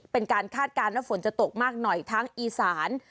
คาดการณ์ว่าฝนจะตกมากหน่อยทั้งอีสาน